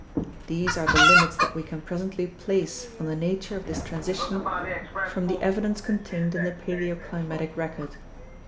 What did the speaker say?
These are the limits that we can presently place on the nature of this transition from the evidence contained in the paleoclimatic record.